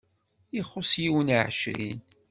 Ixuṣṣ yiwen i ɛecrin.